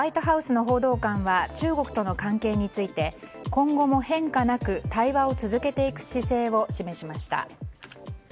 一方、ホワイトハウスの報道官は中国との関係について今後も変化なく対話を続けていく姿勢を示しました。